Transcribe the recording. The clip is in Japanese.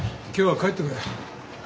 今日は帰ってくれ。